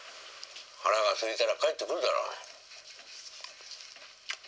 腹がすいたら帰ってくるだろ。